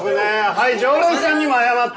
はい常連さんにも謝って。